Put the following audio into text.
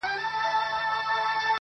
شپه چي تياره سي ،رڼا خوره سي.